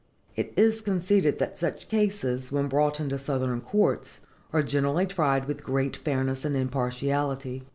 It is conceded that such cases, when brought into Southern courts, are generally tried with great fairness and impartiality.